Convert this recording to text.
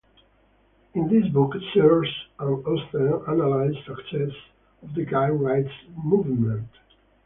In this book Sears and Osten analyze success of the gay rights movement.